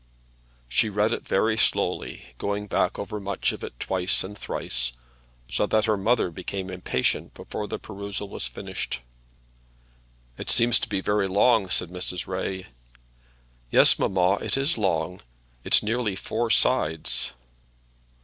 She read it very slowly, going back over much of it twice and thrice, so that her mother became impatient before the perusal was finished. "It seems to be very long," said Mrs. Ray. "Yes, mamma, it is long. It's nearly four sides."